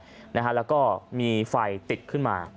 ที่แหละนะฮะแล้วก็มีไฟติดขึ้นมา